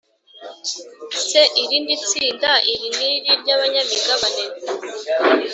Se irindi tsinda iri n iri ry abanyamigabane